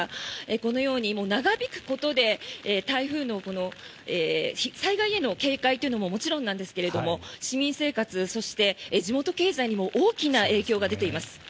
このように長引くことで台風の、災害への警戒というのももちろんなんですが市民生活、そして地元経済にも大きな影響が出ています。